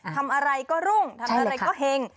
ทำอะไรก็รุ่งทำอะไรก็เห็ง